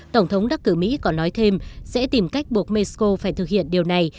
tổng thống đắc cử mỹ còn nói thêm sẽ tìm cách buộc mexico phải thực hiện điều này